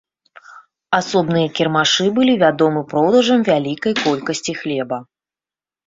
Асобныя кірмашы былі вядомы продажам вялікай колькасці хлеба.